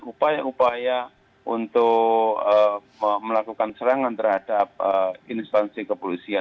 upaya upaya untuk melakukan serangan terhadap instansi kepolisian